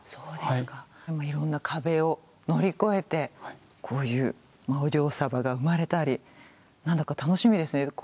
でもいろんな壁を乗り越えてこういうお嬢サバが生まれたりなんだか楽しみですね。